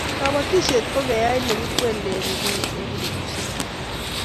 kabatishiet ne kiai ko kwel kei eng betushiek tugul